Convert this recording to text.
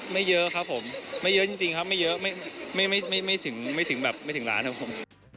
ไม่เยอะครับผมไม่เยอะจริงครับไม่เยอะไม่ถึงไม่ถึงแบบไม่ถึงล้านครับผม